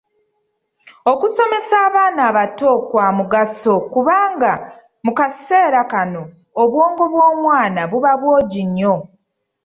Okusomesa abaana abato kwa mugaso kubanga mu kaseera kano obwongo bw’omwana buba bwogi nnyo.